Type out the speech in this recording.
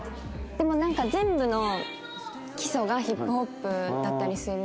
でもなんか全部の基礎がヒップホップだったりするので。